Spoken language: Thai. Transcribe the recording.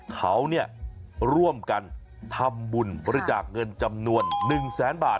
เขานี่ร่วมกันทำบุญประจากเงินจำนวน๑๐๐๐๐๐บาท